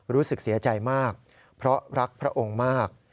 รู้สึกเสียใจมากเพราะรักพระองค์มาก